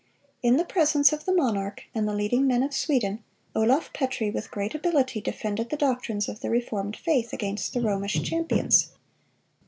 In the presence of the monarch and the leading men of Sweden, Olaf Petri with great ability defended the doctrines of the reformed faith against the Romish champions.